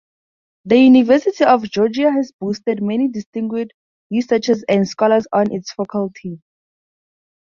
The University of Georgia has boasted many distinguished researchers and scholars on its faculty.